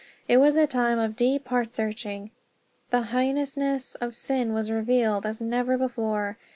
It was a time of deep heart searching. The heinousness of sin was revealed as never before.